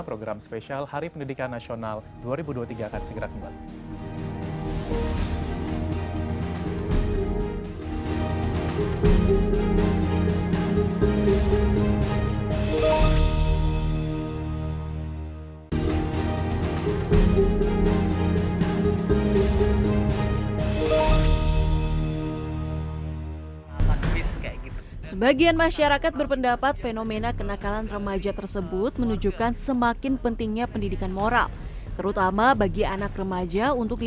program spesial hari pendidikan nasional dua ribu dua puluh tiga akan segera kembali